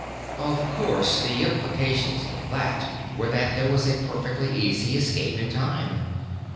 Of course, the implications of that were that there was a perfectly easy escape in time.